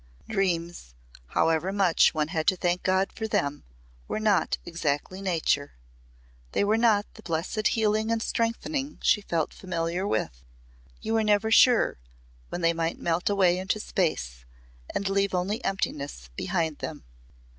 Dreams, however much one had to thank God for them, were not exactly "Nature." They were not the blessed healing and strengthening she felt familiar with. You were never sure when they might melt away into space and leave only emptiness behind them.